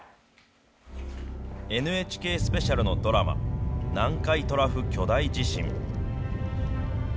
ＮＨＫスペシャルのドラマ、南海トラフ巨大地震。